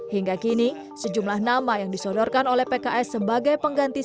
hingga kini sejumlah nama yang disodorkan oleh pks sebagai pengganti